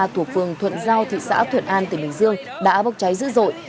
thuộc phường thuận giao thị xã thuận an tỉnh bình dương đã bốc cháy dữ dội